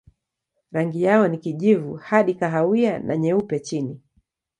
Rangi yao ni kijivu hadi kahawia na nyeupe chini.